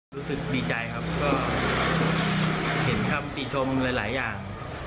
รู้สึกดีใจครับก็เห็นคำตีชมหลายอย่าง